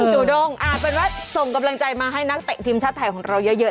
จูด้งเป็นว่าส่งกำลังใจมาให้นักเตะทีมชาติไทยของเราเยอะ